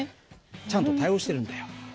ちゃんと対応してるんだよ。